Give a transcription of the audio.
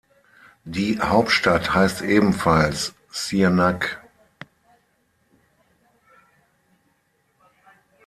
Die Hauptstadt heißt ebenfalls Şırnak.